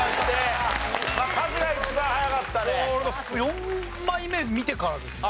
４枚目見てからですね。